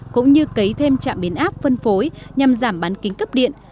cũng như cấy thêm trạm biến áp phân phối nhằm giảm bán kính cấp điện